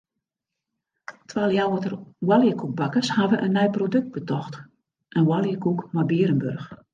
Twa Ljouwerter oaljekoekbakkers hawwe in nij produkt betocht: in oaljekoek mei bearenburch.